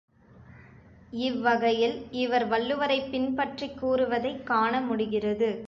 இவ்வகையில் இவர் வள்ளுவரைப் பின்பற்றிக் கூறுவதைக் காண முடிகிறது.